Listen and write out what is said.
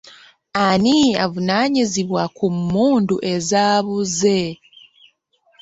Ani avunaanyizibwa ku mmundu ezaabuze?